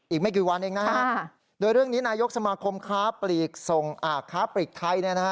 อีกไม่กี่วันเองนะฮะโดยเรื่องนี้นายกสมาคมค้าปลีกไทย